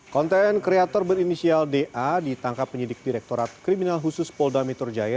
konten kreator berinisial da ditangkap penyidik direktorat kriminal khusus polda metro jaya